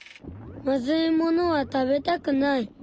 まずいものは食べたくない。